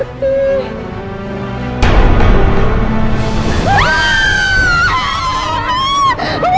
udah cepetan cepetan